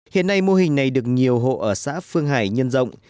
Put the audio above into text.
hiện nay mô hình này được nhiều hộ ở xã phương hải nhân rộng